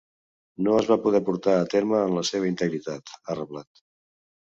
No es va poder portar a terme en la seva integritat, ha reblat.